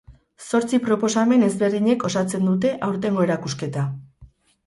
Zortzi proposamen ezberdinek osatzen dute aurtengo erakusketa.